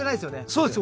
そうです。